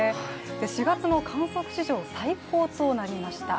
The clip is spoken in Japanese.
４月の観測史上最高となりました。